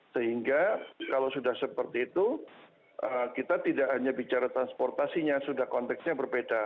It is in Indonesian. sehingga kalau sudah seperti itu kita tidak hanya bicara transportasinya sudah konteksnya berbeda